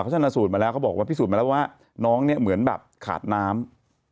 ชนะสูตรมาแล้วเขาบอกว่าพิสูจนมาแล้วว่าน้องเนี่ยเหมือนแบบขาดน้ำ